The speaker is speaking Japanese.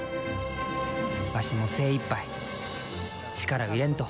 わしも、精いっぱい力を入れんと。